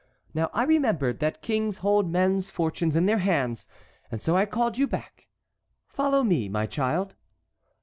Now I remembered that kings hold men's fortunes in their hands, and so I called you back. Follow me, my child."